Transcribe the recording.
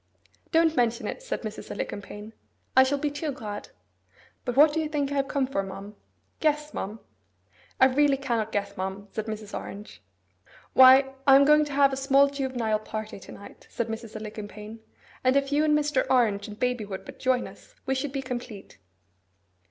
'Don't mention it,' said Mrs. Alicumpaine. 'I shall be too glad. But what do you think I have come for, ma'am? Guess, ma'am.' 'I really cannot guess, ma'am,' said Mrs. Orange. 'Why, I am going to have a small juvenile party to night,' said Mrs. Alicumpaine; 'and if you and Mr. Orange and baby would but join us, we should be complete.